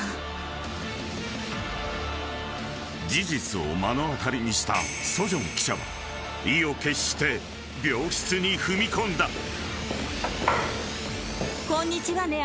［事実を目の当たりにしたソジョン記者は意を決して病室に踏み込んだ］